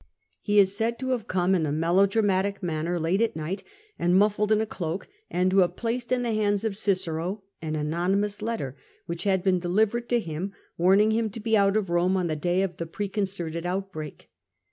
He is said to have come in a melodramatic manner, late at night and muffled in a cloak, and to have placed in the hands of Cicero an anonymous letter which had been delivered to him, warning him to be out of Rome on the day of the preconcerted outbreak.